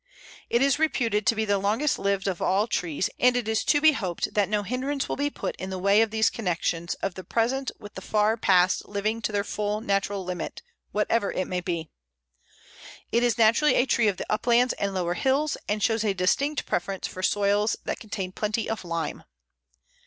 It is reputed to be the longest lived of all trees, and it is to be hoped that no hindrance will be put in the way of these connections of the present with the far past living to their full natural limit, whatever it may be. It is naturally a tree of the uplands and lower hills, and shows a distinct preference for soils that contain plenty of lime.